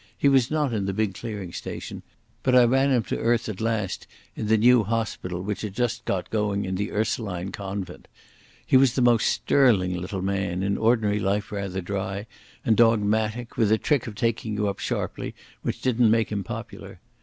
He was not in the big clearing station, but I ran him to earth at last in the new hospital which had just been got going in the Ursuline convent. He was the most sterling little man, in ordinary life rather dry and dogmatic, with a trick of taking you up sharply which didn't make him popular.